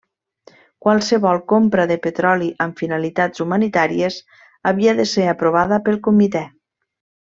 Qualsevol compra de petroli amb finalitats humanitàries havia de ser aprovada pel Comitè.